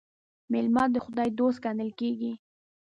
مېلمه د خداى دوست ګڼل کېږي.